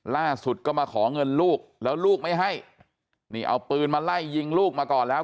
ล่าสุดก็มาขอเงินลูกแล้วลูกไม่ให้นี่เอาปืนมาไล่ยิงลูกมาก่อนแล้ว